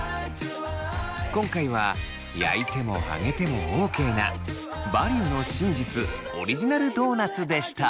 今回は焼いても揚げてもＯＫな「バリューの真実」オリジナルドーナツでした。